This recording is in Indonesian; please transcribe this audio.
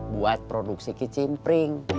buat produksi kicimpring